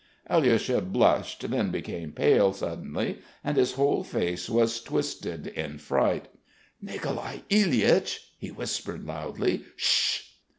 Alyosha blushed, then became pale suddenly and his whole face was twisted in fright. "Nicolai Ilyich," he whispered loudly. "Shh!"